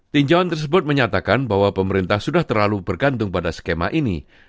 tinjauan tersebut menyatakan bahwa pemerintah sudah terlalu bergantung pada skema ini